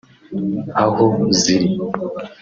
Aho ziri